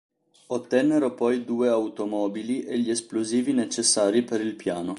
Ottennero poi due automobili e gli esplosivi necessari per il piano.